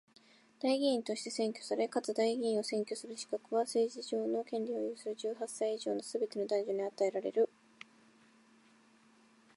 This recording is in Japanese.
代議員として選挙され、かつ代議員を選挙する資格は、政治上の権利を有する十八歳以上のすべての男女に与えられる。